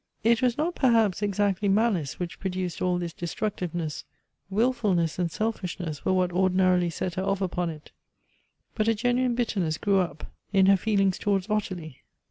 It was not, perhaps, exactly malice which produced all this destructiveness ; wilfulness and selfishness were wliiit ordinarily set her off upon it: but a genuine bitterness grew up in her feelings towards Ottilie.